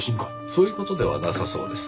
そういう事ではなさそうです。